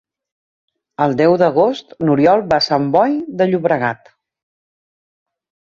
El deu d'agost n'Oriol va a Sant Boi de Llobregat.